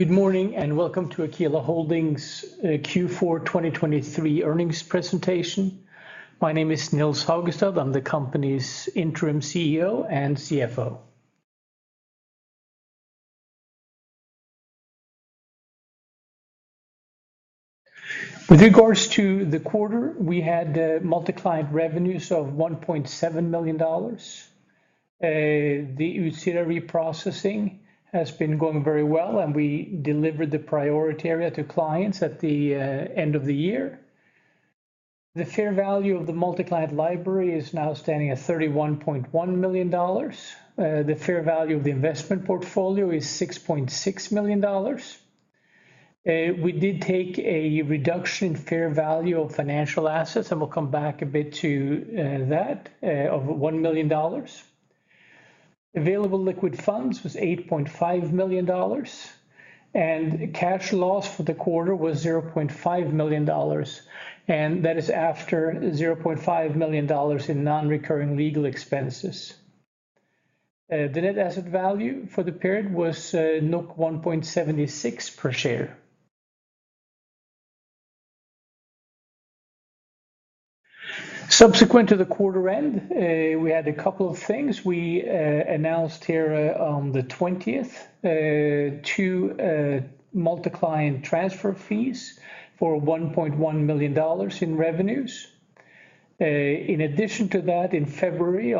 Good morning and welcome to Aquila Holdings' Q4 2023 earnings presentation. My name is Nils Haugestad, I'm the company's interim CEO and CFO. With regards to the quarter, we had multi-client revenues of $1.7 million. The Utsira processing has been going very well, and we delivered the priority area to clients at the end of the year. The fair value of the multi-client library is now standing at $31.1 million. The fair value of the investment portfolio is $6.6 million. We did take a reduction in fair value of financial assets, and we'll come back a bit to that, of $1 million. Available liquid funds was $8.5 million, and cash loss for the quarter was $0.5 million, and that is after $0.5 million in non-recurring legal expenses. The net asset value for the period was 1.76 per share. Subsequent to the quarter end, we had a couple of things. We announced here on the 20th two multi-client transfer fees for $1.1 million in revenues. In addition to that, on February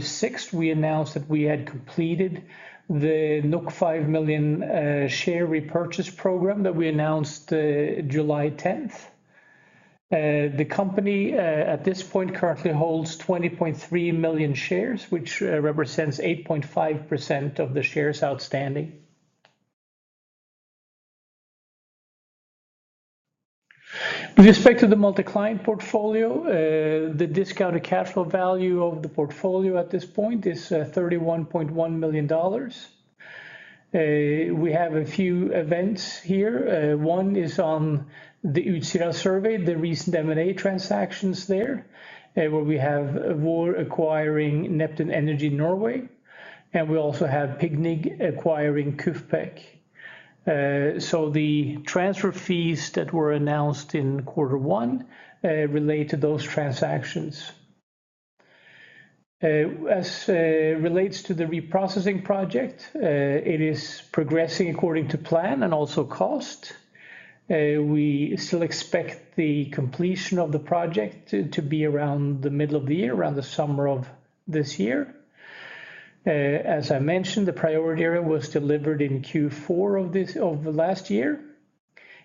6th, we announced that we had completed the 5 million share repurchase program that we announced July 10th. The company at this point currently holds 20.3 million shares, which represents 8.5% of the shares outstanding. With respect to the multi-client portfolio, the discounted cash flow value of the portfolio at this point is $31.1 million. We have a few events here. One is on the Utsira survey, the recent M&A transactions there, where we have Vår acquiring Neptune Energy Norway, and we also have PGNiG acquiring KUFPEC. So the transfer fees that were announced in quarter one relate to those transactions. As relates to the reprocessing project, it is progressing according to plan and also cost. We still expect the completion of the project to be around the middle of the year, around the summer of this year. As I mentioned, the priority area was delivered in Q4 of last year,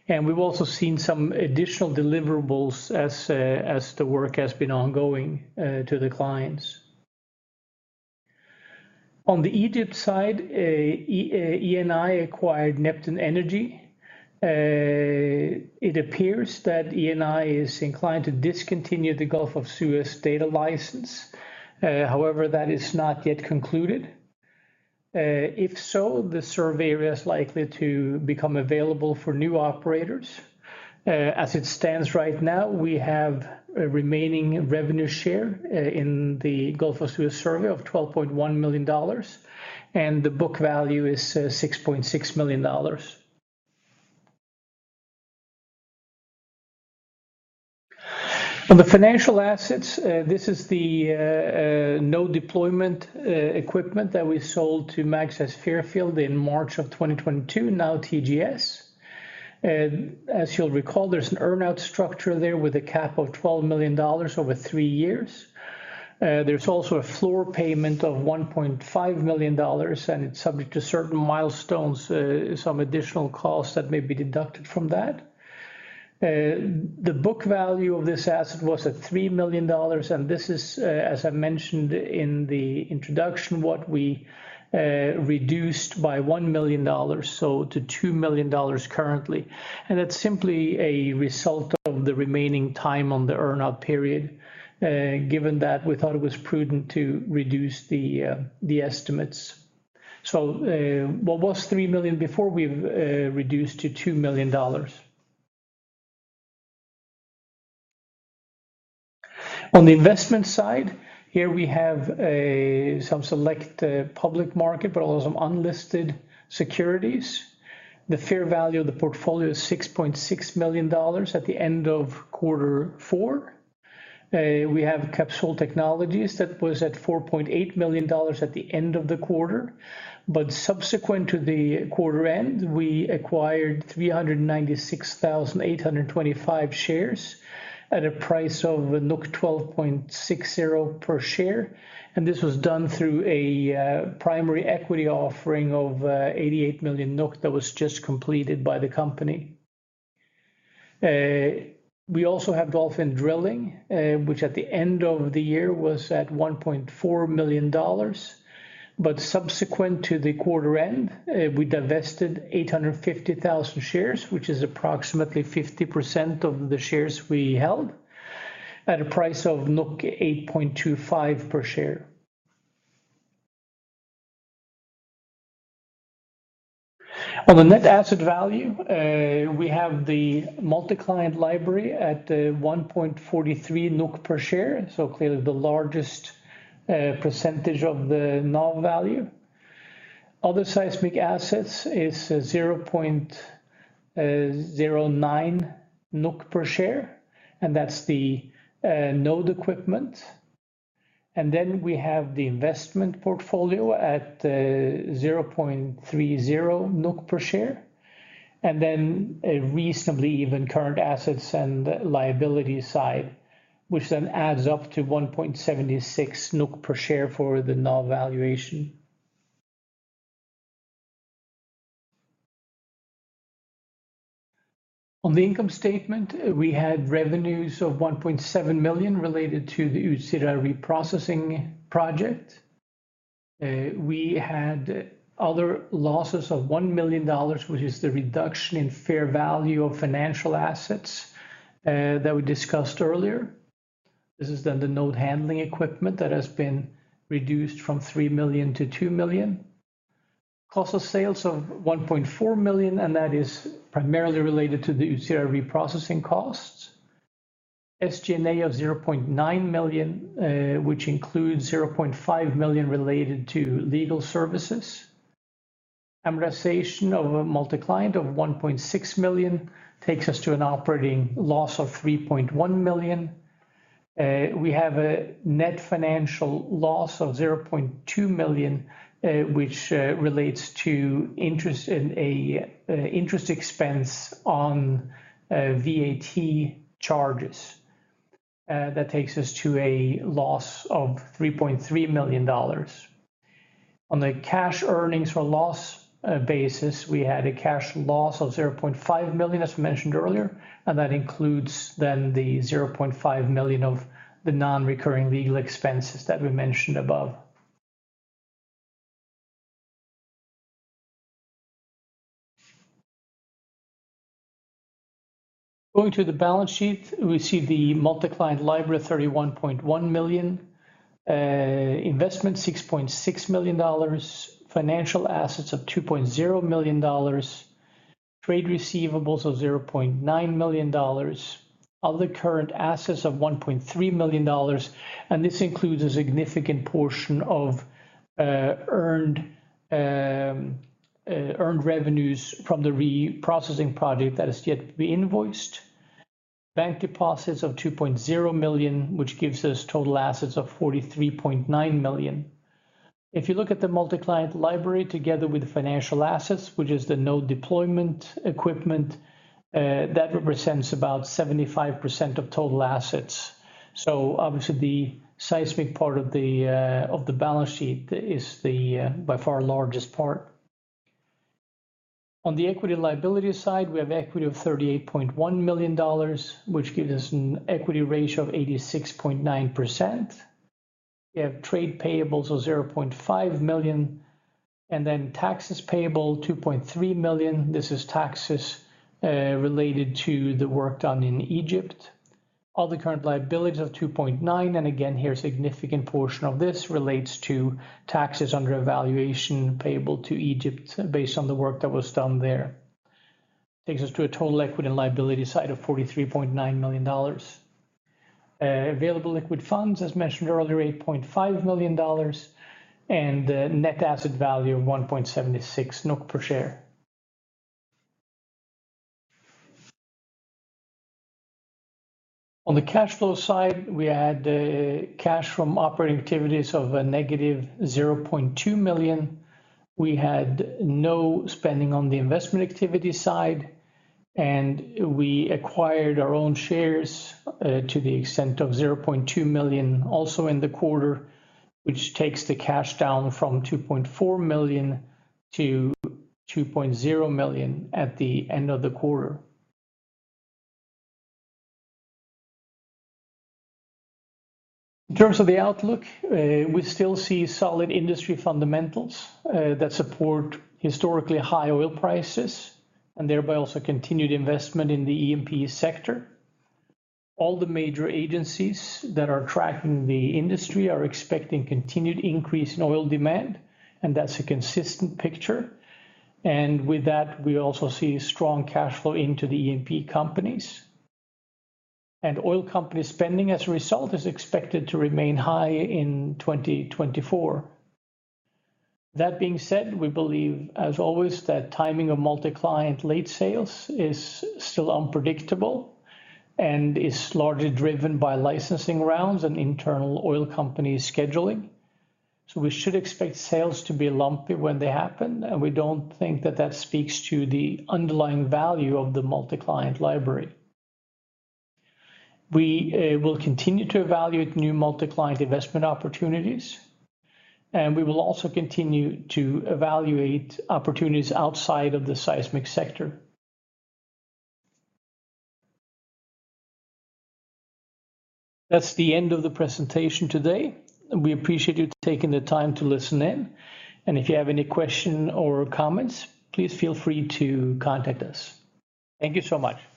and we've also seen some additional deliverables as the work has been ongoing to the clients. On the Egypt side, Eni acquired Neptune Energy. It appears that Eni is inclined to discontinue the Gulf of Suez data license. However, that is not yet concluded. If so, the survey area is likely to become available for new operators. As it stands right now, we have a remaining revenue share in the Gulf of Suez survey of $12.1 million, and the book value is $6.6 million. On the financial assets, this is the node deployment equipment that we sold to MagSeis Fairfield in March 2022, now TGS. As you'll recall, there's an earnout structure there with a cap of $12 million over three years. There's also a floor payment of $1.5 million, and it's subject to certain milestones, some additional costs that may be deducted from that. The book value of this asset was at $3 million, and this is, as I mentioned in the introduction, what we reduced by $1 million, so to $2 million currently. And that's simply a result of the remaining time on the earnout period, given that we thought it was prudent to reduce the estimates. So what was $3 million before we've reduced to $2 million. On the investment side, here we have some select public market, but also some unlisted securities. The fair value of the portfolio is $6.6 million at the end of quarter four. We have Capsol Technologies that was at $4.8 million at the end of the quarter, but subsequent to the quarter end, we acquired 396,825 shares at a price of 12.60 per share. This was done through a primary equity offering of 88 million NOK that was just completed by the company. We also have Dolphin Drilling, which at the end of the year was at $1.4 million, but subsequent to the quarter end, we divested 850,000 shares, which is approximately 50% of the shares we held, at a price of 8.25 per share. On the net asset value, we have the multi-client library at 1.43 NOK per share, so clearly the largest percentage of the NAV value. Other seismic assets is 0.09 NOK per share, and that's the node equipment. Then we have the investment portfolio at 0.30 NOK per share, and then a reasonably even current assets and liabilities side, which then adds up to 1.76 NOK per share for the NAV valuation. On the income statement, we had revenues of 1.7 million related to the Utsira reprocessing project. We had other losses of $1 million, which is the reduction in fair value of financial assets that we discussed earlier. This is then the node handling equipment that has been reduced from $3 million-$2 million. Cost of sales of 1.4 million, and that is primarily related to the Utsira reprocessing costs. SG&A of 0.9 million, which includes 0.5 million related to legal services. Amortization of a multi-client of 1.6 million takes us to an operating loss of 3.1 million. We have a net financial loss of 0.2 million, which relates to interest expense on VAT charges. That takes us to a loss of $3.3 million. On the cash earnings or loss basis, we had a cash loss of $0.5 million, as mentioned earlier, and that includes then the $0.5 million of the non-recurring legal expenses that we mentioned above. Going to the balance sheet, we see the Multi-Client Library $31.1 million, investment $6.6 million, financial assets of $2.0 million, trade receivables of $0.9 million, other current assets of $1.3 million, and this includes a significant portion of earned revenues from the reprocessing project that has yet to be invoiced. Bank deposits of $2.0 million, which gives us total assets of $43.9 million. If you look at the Multi-Client Library together with financial assets, which is the node deployment equipment, that represents about 75% of total assets. So obviously, the seismic part of the balance sheet is the by far largest part. On the equity liability side, we have equity of $38.1 million, which gives us an equity ratio of 86.9%. We have trade payables of $0.5 million, and then taxes payable $2.3 million. This is taxes related to the work done in Egypt. Other current liabilities of $2.9, and again, here a significant portion of this relates to taxes under evaluation payable to Egypt based on the work that was done there. Takes us to a total equity and liability side of $43.9 million. Available liquid funds, as mentioned earlier, $8.5 million, and net asset value of 1.76 NOK per share. On the cash flow side, we had cash from operating activities of a negative 0.2 million. We had no spending on the investment activity side, and we acquired our own shares to the extent of 0.2 million also in the quarter, which takes the cash down from 2.4 million-2.0 million at the end of the quarter. In terms of the outlook, we still see solid industry fundamentals that support historically high oil prices and thereby also continued investment in the E&P sector. All the major agencies that are tracking the industry are expecting continued increase in oil demand, and that's a consistent picture. And with that, we also see strong cash flow into the E&P companies. And oil company spending as a result is expected to remain high in 2024. That being said, we believe, as always, that timing of multi-client lease sales is still unpredictable and is largely driven by licensing rounds and internal oil company scheduling. We should expect sales to be lumpy when they happen, and we don't think that that speaks to the underlying value of the multi-client library. We will continue to evaluate new multi-client investment opportunities, and we will also continue to evaluate opportunities outside of the seismic sector. That's the end of the presentation today. We appreciate you taking the time to listen in, and if you have any questions or comments, please feel free to contact us. Thank you so much.